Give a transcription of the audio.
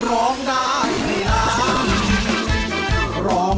ร้องได้ให้ร้อง